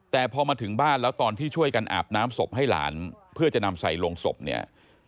แต่พอมาถึงบ้านแล้วตอนที่ช่วยกันอาบน้ำศพให้หลานเพื่อจะนำใส่ลงศพเนี่ย